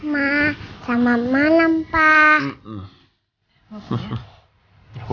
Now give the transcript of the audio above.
selamat malem pak